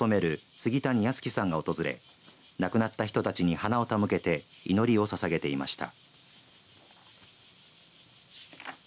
杉谷安生さんが訪れ亡くなった人たちに花を手向けて祈りをささげていました。